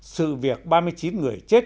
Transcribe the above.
sự việc ba mươi chín người chết